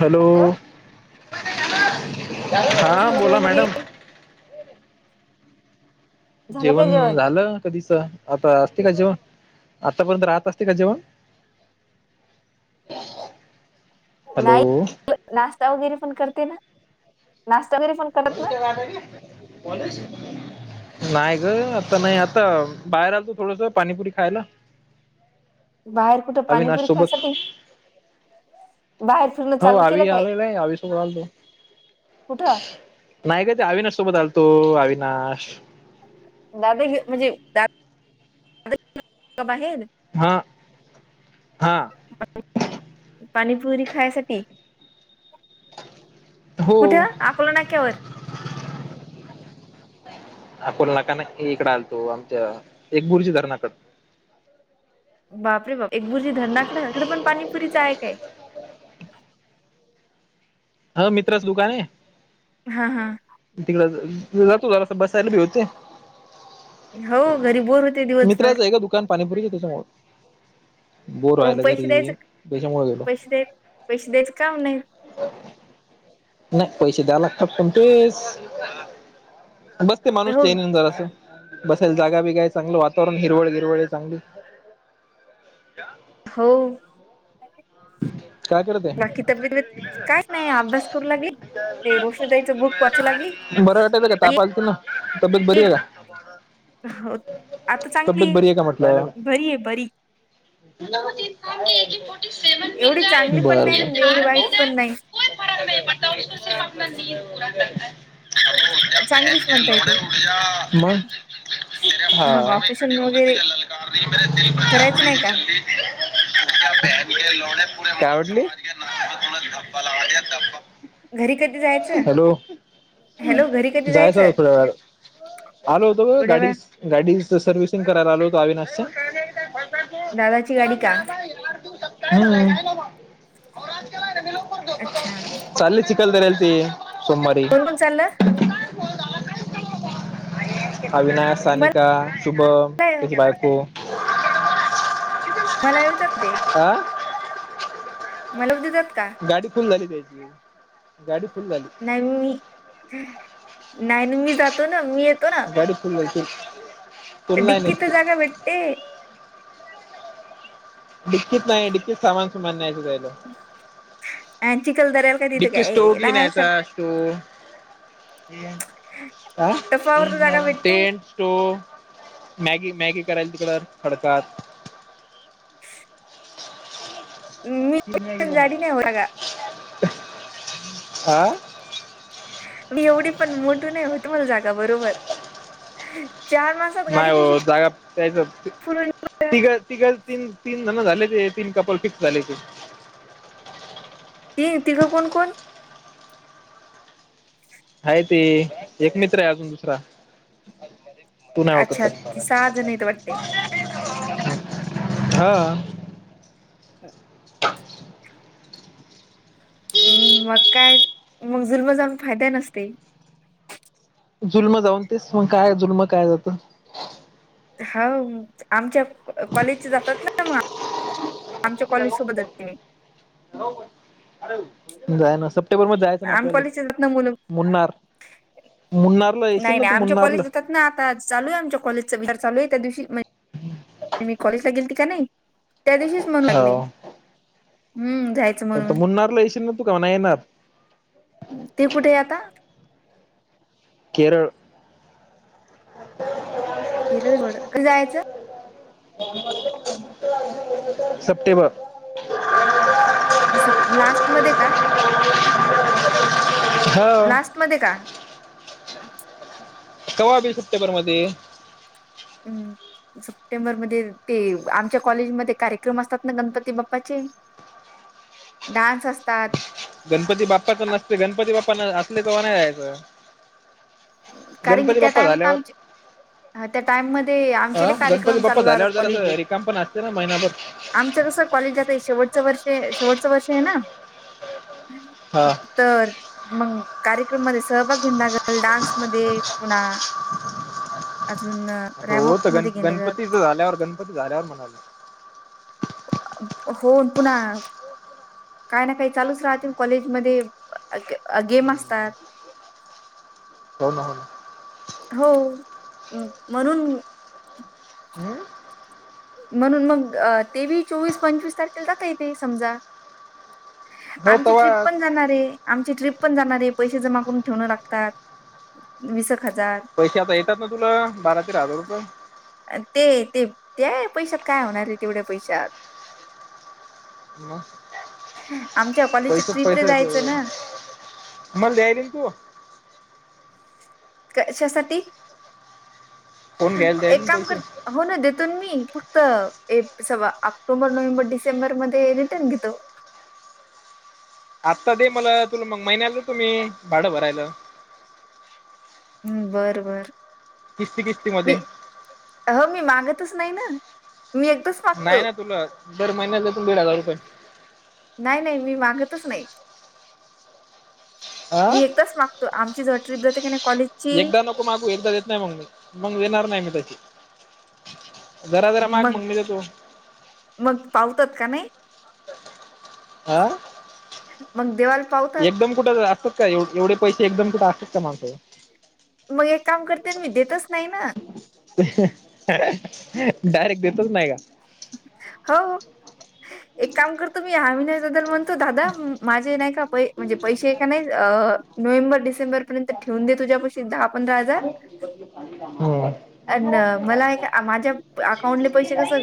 Hello, हां झालं बोला जेवण मॅडम. वगैरे झालं का जेवण झालं कधीच आता असते का जेवण आतापर्यंत राहत असते का जेवण? [inaudible] हॅलो. नाश्ता वगैरे पण करते ना, नाश्ता वगैरे पण [inaudible] करत ना नाय ग आता नई आता बाहेर आलतो थोडस पाणीपुरी खायला. बाहेर कुठ अविनाश पाणीपुरी सोबत खायसाठी? बाहेर फिरणं हो चालू केलं आवी काय आलेलाय, आवी सोबत आलतो. कुठं नाय ग ते अविनाश सोबत आलतो अविनाश गाद घे म्हणजे. [unintelligible] हा. [inaudible] हा [unintelligible] पाणीपुरी खायसाठी. हो कुठं? आकोला नाक्यावर. अकोला नाका नाई का इकडं आलतो, आमच्या एक बुर्जी धरणाकडं. बापरे बाप एक बुरजी धरणाकडं, तिकडंपण पाणीपुरीच हाय काय? ह मित्राचं दुकानये. हा हा. तिकड [unintelligible] जरासा बसायलाबी होते. हो घरी बोर होते दिवसभर मित्राचं आहे का दुकान पाणीपुरीचं तिथं समोर? बोर मग व्हायला पैसे द्यायचं घरी तेच्यामुळे गेलो. पैसे द्याय पैसे द्याचं काम नाही. नाय पैशे द्या लागतात पण तेच बसते माणूस हो चेन येऊन जरासा. बसायला जागा बिगाय, चांगलं वातावरण हिरवळ हिरवळ हाय. चांगली हो. काय करत बाकी आहे तब्येत, [inaudible] काय नाय अभ्यास करू लागली. ते रोशनीताईंच बुक वाचू लागली. बरा वाटयेत का ताप आगत ना तब्येत बरी येईल आहे का? हो आता चांगली तब्येत आहे बरी का म्हटलं बरी आहे बरी. [unintelligible] एवढी चांगली पण नाय बर आणि एवढी वाईट पण नाय. चांगलीच म्हणता येते [unintelligible] [unintelligible] मग हा. चिमणी वगैरे. करायचं नाही का [unintelligible] क्या बहन काय म्हटली? घरी कधी जायचं हॅलो, हॅलो घरी कधी जायच जायचं होत यार. आलो होतो थोड्या गाडी वेळा गाडीच सर्विसिंग करायला आलो होतो आविनाशचा. [unintelligible] दादाची गाडी का? हम्म अच्छा चालेल चिकल करयला ते. सोमवारी कोण कोण चाललं अविनाश सानिका शुभम मला त्याची बायको. मला येऊ जगते. हा मला उदा जतात का? गाडी फुल झाली त्याची गाडी फुल झाली. नाही मी नाही मी जातो ना, मी येतो ना. ते माहितिन डिक्कीत तर जागा भेट ड्कीत नाही ड्कीत सामान सुमान न्यायला जायचं. अ चिखल दऱ्या डिकी स्टो घी नाहीयचा स्टो. आ टफावर तर जागा भेटते तेन तो मॅगी मॅगी करायला तिकडे खडकात. [unintelligible] मी जाडी नाही होता का आ? मी एवढी पण मोठू नाही होत मला जागा बरोबर चार मास नाही हो जागा त्यायच होईल बरं तिघ तिघच. तीन तीन जण झाले ते तीन कपल फिक्स झाले ते. ती तिघं कोण कोण? हाय ते एक मित्र आहे अजून दुसरा. तू नाही ओळखत अच्छा ती सहा जण त्याला, आहेत वाटते हा. हह हम्म मग काय मग जुलम जाऊन फायदा नसते. जुलम जाऊन तेस मग काय जुलम काय जातं. हा आमच्या कॉलेज जातात ना मग आमच्या कॉलेज सोबत जाते मी जाय ना अस टेबल म जायचं ना आम आपल्याला कॉलेजचे जात ना मुलं मुन्नार मुन्नारल येशील नाही ना नाही तू आमच्या मुन्नारल? कॉलेज जातात ना आता चालू आहे आमच्या कॉलज विहार चालू आहे त्या दिवशी मे मी कॉलेजला गेलती का नाही त्या दिवशीच मन लागले हम्म जाय आता मुन्नारला येशील का तू कवा नाही येणार? ते कुठे आता? केरळ किरळोड कस जायचं? सप्टेंबर. सप लास्ट मध्ये का? हा लास्ट मध्ये का? कवा बी सप्टेंबर मध्ये. हम्. सप्टेंबर मध्ये ते आमच्या कॉलेजमध्ये कार्यक्रम असतात ना गणपती बाप्पाचे. डान्स असतात. गणपती बाप्पाच नसते, गणपती बाप्पानं असले तेव्हा नाही यायचं. कारण की गणपती त्या बाप्पा टाइमात झाल्यावर आमचे हा, त्या टाइम मध्ये अ आमचे गणपती कार्यक्रम बाप्पा चालू राहतात झाल्यावर ज असं रिकाम पण असते ना महिनाभर तुमं कसं कॉलेज जात आहे शेवटचं वर्ष शेवटचं वर्ष आहे ना? हा. तर मग कार्यक्रम म सहभाग घेल डान्समध्ये पुन्हा अजून हो रॅमॉक तर गण मध्ये घेणं गणपतीच झाल्यावर गणपती झाल्यावर म्हणाला. हो पुन्हा. काय ना काही चालूच राहतील कॉलेज मध्ये गेम असतात. हो ना हो ना. हो म्हणून अं. म्हणून मग तेवीस चोवीस पंचवीस तारखेला जाता येतेे समजा. हो आमची ट्रिप तवा पण जाणार आहे. आमची ट्रिप पण जाणार आहे पैसे जमा करून ठेवण लागतात विस एक हजार. पैसे आता येतात ना तुला बारा तेरा हजार रुपये. ते ते ते पैशात काय होणार आहे तेवढ्या पैशात? मग आमच्या कॉलेजच्या पैसेच ट्रिपला जायच पैसे ना. मला द्यायली न तू. कशासाठी फोन घ्यायला द्यायला एक ना काम पैसे करत हो ना तेथून मी फक्त एक सवा ऑक्टोबर, नोव्हेंबर, डिसेंबर मध्ये रिटर्न घेतो. आत्ता दे मला तुला मग महिन्याला देतो मी भाडं भरायला. हम्म बर बर. किस्ती किस्ती मध्ये मी हो मी मागतच नाही ना मी एकदाच नाही मागतो. ना तुला दर महिन्यात तून दीड हजार रुपये नाही नाही मी मागतच नाही. मी आं एकदाच माग त आमची ज ट्रपाते का नाही कॉलेज एकदा नको मागू एकदा येत नाही मग मी मग येणार नाही मी तशी. जरा जरा माग मग म्हग म्हजे मी देतो. मग पावतात का नाही? हा मग देवाला पावतात एकदम कुठं असतात का, ए एवढे पैसे एकदम कुठं असतात का माणसाजवळ? मग एक काम करते ना मी देतच नाही ना. डायरेक्ट देतच नाही का? हो एक काम करतो मी हा महिन्याबद्दल मग दादा माझे नाही का म्हणजे पै का नाही नोव्हेंबर डिसेंबर ठेवून दे तुझ्या दहा पंधरा हजार हम्म अन मला माझ्या अकाउंटले पैसे कसें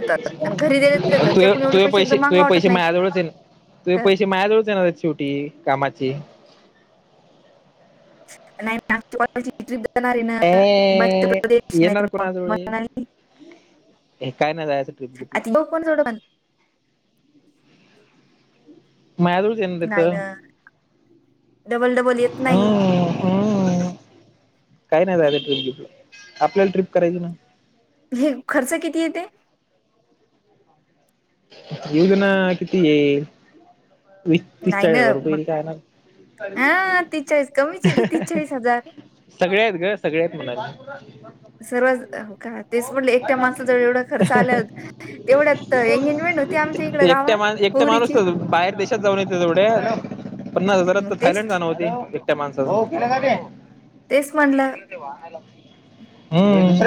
तु कोणी एवढे तुझ पैसे एकदम तुझ मागा वाटत पैसे नाहीत माझ्याजवळच ये. तुझ पैसे माया जवळच येणारेत शेवटी कामाची. नाही ना. कोणाप जाणार आहे ना मत्स ए प्रदेश येणार नाहीत मग कोणाजवळ आहे मली [unintelligible] हे काय नाही जायच ट्रिप बीट. बघ पण डंण [unintelligible] माझ्याजवळच येणार हायत. नाही ना डबल डबल येत नाही हम्म. हम्म. काय नाही झाली ट्रीप बिपला आपल्याला ट्रीप करायची नाही. हे खर्च किती येते? येऊदेना कितीये. वीस तीस नाही चाळीस ना हजार रुपये मग येईल काय ना. [unintelligible] हा तीस चाळीस कमीच येते तीस चाळीस हजार सगळी आहेत ग, सगळे आहेत म्हणालोय. सर्वच हो का? तेच म्हटलं एकट्या माणसाला जर एवढा खर्च आलं तेवढ्यात एंगेजमेंट होती आमच्या इकडे एक गावात मा एकटं माणूस पोरीची बाहेर देश [unintelligible] जाऊन येते तेवढं पन्नास हजारात मग तर तेच थायलंड जाण होती. त्या माणसाचा [unintelligible] तेच म्हणलं हम्म.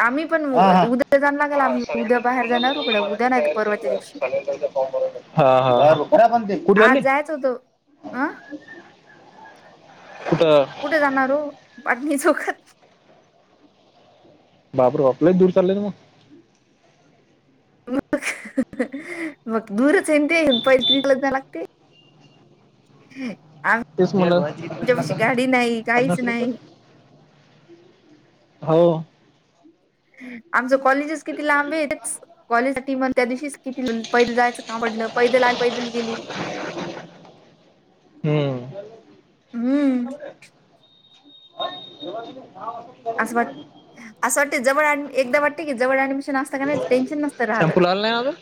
आम्ही पण हा उ- हा. उद्या जाण लागेल आम्ही उद्या बाहेर जाणार उघड हा उद्या नाही तर परवाच्या दिवशी हा कुठ चाली? [unintelligible] आ? कुठं? कुठे जाणार हो बाटली चोकत. बाप रे बाप लई दूर चालले की नाही? मग दूरच आहे ना ते [unintelligible] जायला लागते. [unintelligible] तेच म्हणलं पशी गाडी नाही, काहीच पन्नास रुपये नाही. हो. आमचं कॉलेजच किती लांब आहे. कॉलेजसाठी मन त्या दिवशीच किती पैदल [unintelligible] पैदल आली, ‌ पैदल गेली. हम्म. हम्म. व तुमच्या नाव [unintelligible] असं वाटतं असं वाटतंय जवळ अ एकदा वाटत की जवळ‌ ऍडमिशन असता की नाही टेन्शन नसतं राहिलं. आलं नाही अजून?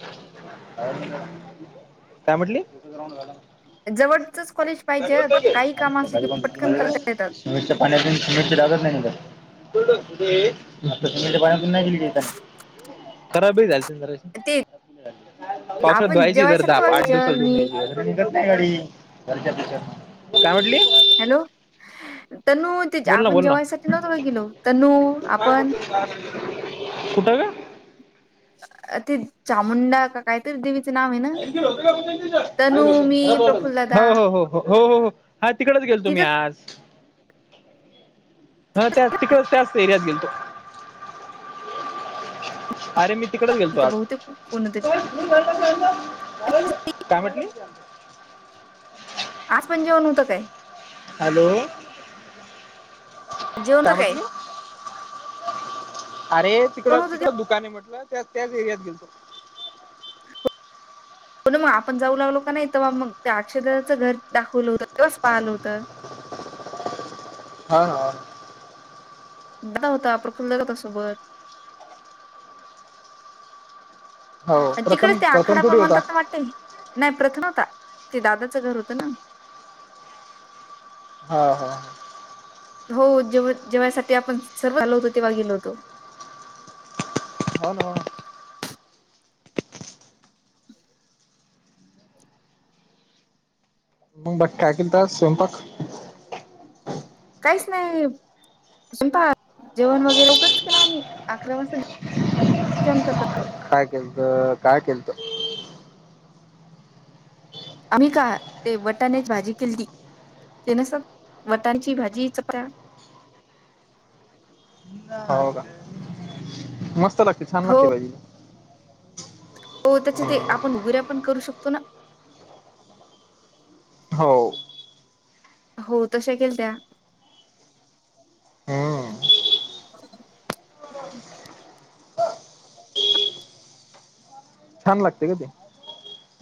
काय म्हणली? जवळचच कॉलेज पाहिजे काही काम असले की पटकन करता येतात [unintelligible] मिरची पाण्यातून मिरची लागत नाही नव्ह का? [unintelligible] खराब बी झालती ना जराशी? ते पावसात आपण याची दर्जा जेवायसाठी नव्हतो पार्ट टू चल मी [unintelligible] [unintelligible] काय म्हंटली? हॅलो. तनु बोल ना आपण बोल ना जेवायसाठी नव्हतो होय गेलो तनु आपण. कुठं ग? ती चामुुंडा का काहीतरी हो देवीचं नाव आहे ना हो हो हो तनू मी हो प्रफुल्ल हो. दादा हा तिकडचं गेलोवतो मी तिथंच आज. हा त्या तिकडे त्या एरियात गेलतो. अरे मी तिकडच गेलतो इथं आज. बहुतेक कोणतरी काय म्हंटली? आज पण जेवण होतं काय? हॅलो. जेवण तर काय म्हंटली? अरे जेवण तिकडं होतं तिकडं दुकान आहे म्हटलं त्या त्याच एरियात गेलतो. हो ना मग आपण जाऊ लागलो कनई तवा मग अक्षर दादाचं घर दाखवलं होतं. त्योच पाहिल होतं. हा हा. दा होता, प्रफुल्लदा होता सोबत. हो प्रथम तिकडेच ते प्रथम आखाडा थोडी पण होता म्हणतात ना वाटतंय. नाही प्रथम होता ते दादाचं घर होतं ना. हा हा. हो जेव्हा जेवायसाठी आपण सर्व आलो होतो तेव्हा गेलो होतो. मन हो [inaudible] मग बठाकील तर स्वयंपाक काहीच नाही स्वयंपाक जेवण वगैरे लवकरच केला आम्ही अकरा वाजता जाम कटत काय केलतं काय केलतं आम्ही का ते वटानेच भाजी केलीती, ते न स वटाची भाजी चप हाऊ का? मस्त लागते छान लागते हो पाहिजे. हो त्याच्या ते, आपण गुऱ्या पण करू शकतो ना. हो. हो, तशा केल त्या! हम्म छान लागते का ते,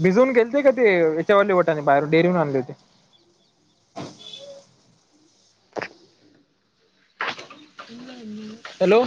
भिजून गेलते का ते याच्यावरली टाने बाहेर डेअरीून आणले होते. हॅलो!